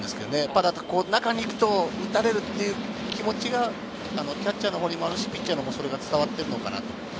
ただ中に行くと、打たれるっていう気持ちがキャッチャーのほうにもあるし、ピッチャーにもそれが伝わってるのかなって。